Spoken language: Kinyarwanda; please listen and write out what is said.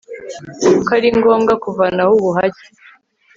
ko ari ngombwa kuvanaho ubuhake